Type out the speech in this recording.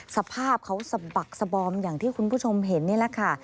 สภาพเขาสะบักสบอมอย่างที่คุณผู้ชมเห็นนี่แหละค่ะ